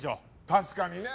確かにね。